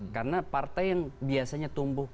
karena partai yang biasanya tumbuh